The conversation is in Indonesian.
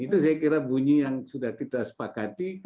itu saya kira bunyi yang sudah kita sepakati